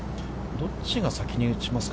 どっちが先に打ちますか。